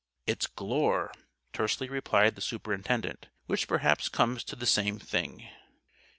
"It's Glure," tersely replied the Superintendent. "Which perhaps comes to the same thing."